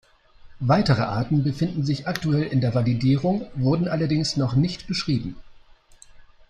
Weitere Arten befinden sich aktuell in der Validierung, wurden allerdings noch nicht beschrieben.